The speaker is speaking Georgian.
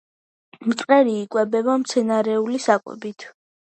მწყერი იკვებება მცენარეული საკვებით.